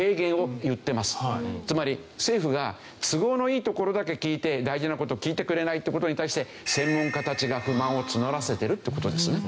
つまり政府が都合のいいところだけ聞いて大事な事聞いてくれないって事に対して専門家たちが不満を募らせてるって事ですね。